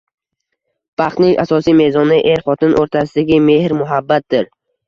Baxtning asosiy mezoni er-xotin o‘rtasidagi mehr-muhabbatdir.